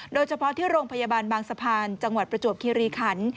โดยเฉพาะที่โรงพยาบาลบางสะพานจังหวัดประจวบคิริขัน